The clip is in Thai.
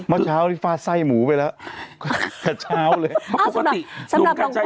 เมื่อเช้าที่ฟ้าไส้หมูไปแล้วแต่เช้าเลยอ้าวสำหรับสำหรับสำหรับบางคน